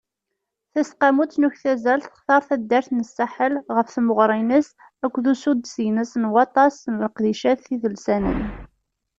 Taseqqamut n uktazal textar taddart-a n Saḥel ɣef temɣer-ines akked usuddes-ines n waṭas n leqdicat idelsanen.